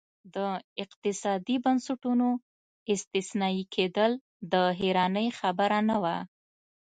د اقتصادي بنسټونو استثنایي کېدل د حیرانۍ خبره نه وه.